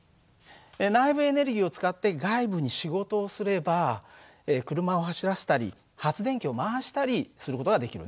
内部エネルギーを使って外部に仕事をすれば車を走らせたり発電機を回したりする事ができるね。